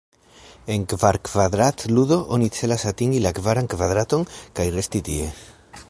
En Kvar-kvadrat-ludo, oni celas atingi la kvaran kvadraton, kaj resti tie.